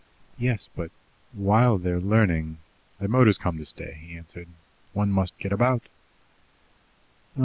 "Yes, but, while they're learning " "The motor's come to stay," he answered. "One must get about.